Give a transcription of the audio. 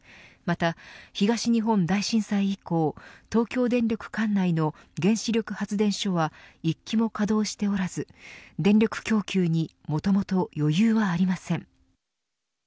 また東日本大震災以降東京電力管内の原子力発電所は一基も稼動しておらず電力供給にもともと余裕はありません。